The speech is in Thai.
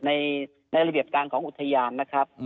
ในระเบียบการของอุทยานนะครับ